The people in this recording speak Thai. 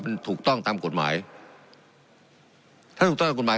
มันถูกต้องตามกฎหมายถ้าถูกต้องตามกฎหมาย